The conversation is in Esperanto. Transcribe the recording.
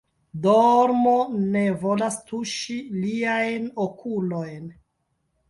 Dormo ne volas tuŝi liajn okulojn.